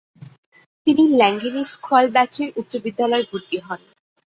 তিনি ল্যাঙ্গেনিস্খোয়ালব্যাচের উচ্চ বিদ্যালয়ে ভর্তি হন।